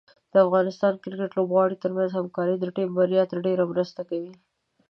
د افغان کرکټ لوبغاړو ترمنځ همکاري د ټیم بریا ته ډېره مرسته کوي.